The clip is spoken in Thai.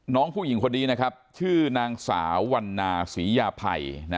น้องผู้หญิงคนนี้นะครับชื่อนางสาววันนาศรียาภัย